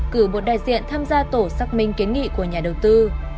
cử một đại diện tham gia tổ xác minh kiến nghị của nhà đầu tư